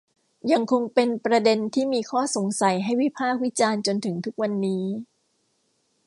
ยังคงเป็นประเด็นที่มีข้อสงสัยให้วิพากษ์วิจารณ์จนถึงทุกวันนี้